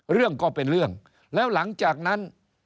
เรื่องก็เป็นเรื่องแล้วหลังจากนั้น